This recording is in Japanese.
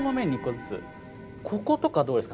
こことかどうですか？